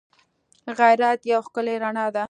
غیرت یوه ښکلی رڼا ده